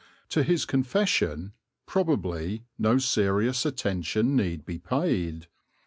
To his confession, probably, no serious attention need be paid.